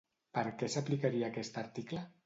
Per què s'aplicaria aquest article?